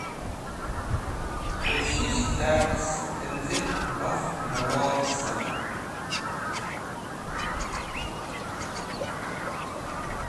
Kushish car sek tẽnzẽt baf mẽwodvẽ sẽma.